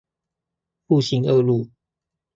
復興二路